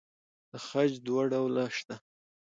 د خج دوه ډولونه شته.